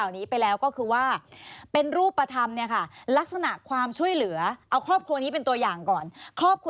อันนี้เป็นรูปธรรมเนี่ยครับ